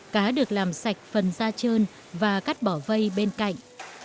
cá được làm sạch phần da trơn và cắt bỏ vây bên cạnh